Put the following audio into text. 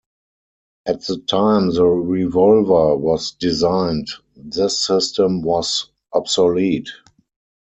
At the time the revolver was designed, this system was obsolete.